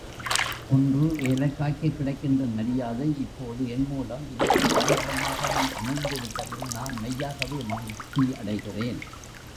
ஒன்று ஏலக்காய்க்குக் கிடைக்கின்ற மரியாதை இப்போது என்மூலம் இலக்கியபூர்வமாகவும் அமைந்துவிட்டதில் நான் மெய்யாகவே மகிழ்ச்சி அடைகிறேன்.